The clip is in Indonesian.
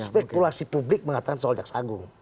spekulasi publik mengatakan soal jaksago